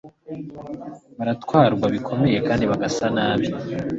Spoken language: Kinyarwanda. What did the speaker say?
baratwarwa bikomeye kandi bagasa nabi …